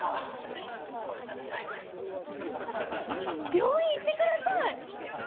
病院行ってください！